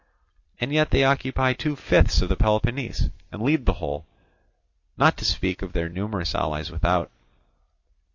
And yet they occupy two fifths of Peloponnese and lead the whole, not to speak of their numerous allies without.